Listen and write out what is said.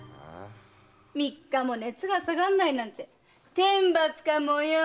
三日も熱が下がらないなんて天罰かもよ。